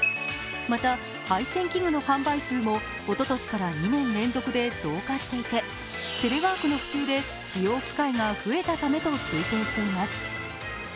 また、配線器具の販売数もおととしから２年連続で増加していて、テレワークの普及で使用機会が増えたためと推定しています。